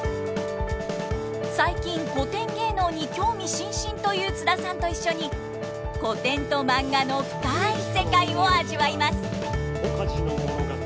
最近古典芸能に興味津々という津田さんと一緒に古典とマンガの深い世界を味わいます。